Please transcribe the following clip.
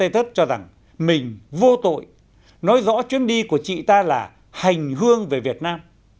lê thu hà cho rằng mình vô tội nói rõ chuyến đi của chị ta là hành hương về việt nam